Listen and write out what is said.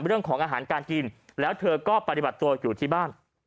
เรื่องของอาหารการกินแล้วเธอก็ปฏิบัติตัวอยู่ที่บ้าน